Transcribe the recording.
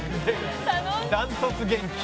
断トツ元気。